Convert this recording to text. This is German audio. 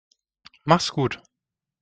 Mach's gut.